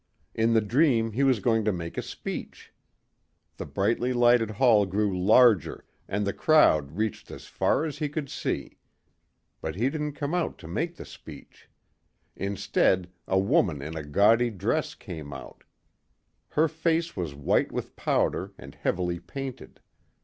In the dream he was going to make a speech. The brightly lighted hall grew larger and the crowd reached as far as he could see. But he didn't come out to make the speech. Instead a woman in a gaudy dress came out. Her face was white with powder and heavily painted.